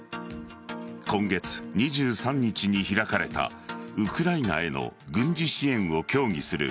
今月２３日に開かれたウクライナへの軍事支援を協議する